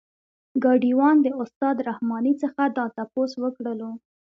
ګاډی وان د استاد رحماني څخه دا تپوس وکړلو.